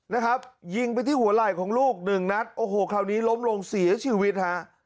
นะครับยิงไปที่หัวไหล่ของลูกหนึ่งนัดโอ้โหคราวนี้ล้มลงเสียชีวิตฮะ